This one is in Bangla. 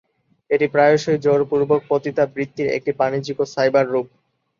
এটি প্রায়শই জোর পূর্বক পতিতাবৃত্তির একটি বাণিজ্যিক ও সাইবার রূপ।